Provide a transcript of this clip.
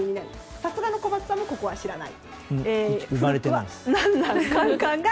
さすがの小松さんもここは知らない？